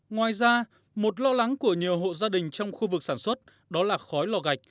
ngoài ra một lo lắng của nhiều hộ gia đình trong khu vực sản xuất đó là khói lò gạch